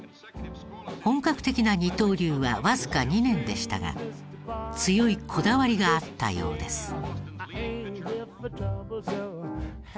本格的な二刀流はわずか２年でしたが強いこだわりがあったようです。